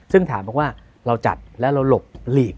ซึ่งถามบอกว่าเราจัดแล้วเราหลบหลีก